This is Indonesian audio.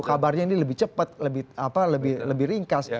kabarnya ini lebih cepat lebih ringkas